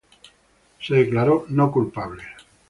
Se declaró "no culpable".